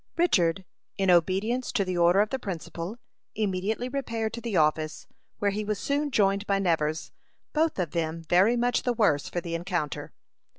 Richard, in obedience to the order of the principal, immediately repaired to the office, where he was soon joined by Nevers, both of them very much the worse for the encounter.